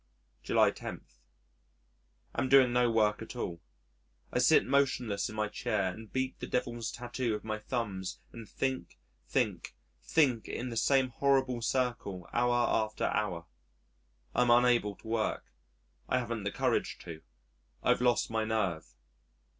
July 10. Am doing no work at all.... I sit motionless in my chair and beat the devil's tattoo with my thumbs and think, think, think in the same horrible circle hour after hour. I am unable to work. I haven't the courage to. I've lost my nerve.